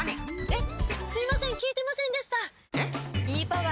えっ？